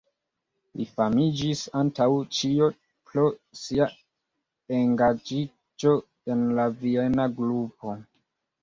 Li famiĝis antaŭ ĉio pro sia engaĝiĝo en la Viena Grupo.